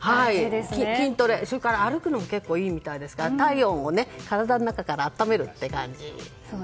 筋トレ、歩くのもいいみたいですから体温を体の中から温めるっていう感じ。